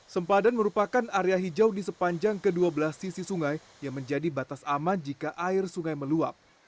sempadan merupakan area hijau di sepanjang ke dua belas sisi sungai yang menjadi batas aman jika air sungai meluap